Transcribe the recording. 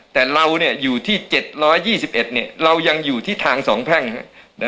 แต่เราเนี่ยอยู่ที่เจ็ดร้อยยี่สิบเอ็ดเนี่ยเรายังอยู่ที่ทางสองแพ่งฮะ